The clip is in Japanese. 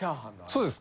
そうです。